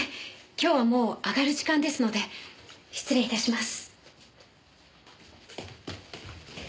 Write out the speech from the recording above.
今日はもう上がる時間ですので失礼致します。